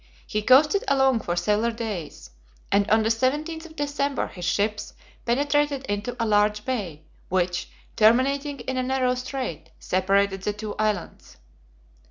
He coasted along for several days, and on the 17th of December his ships penetrated into a large bay, which, terminating in a narrow strait, separated the two islands.